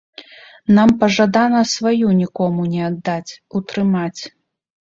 Нам пажадана сваю нікому не аддаць, утрымаць.